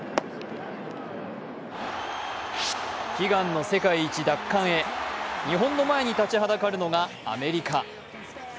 悲願の世界一奪還へ、日本の前に立ちはだかるのはアメリカ。